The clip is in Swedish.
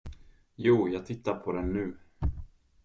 Jo, jag tittar på den nu.